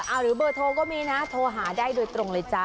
หรือเบอร์โทรก็มีนะโทรหาได้โดยตรงเลยจ้า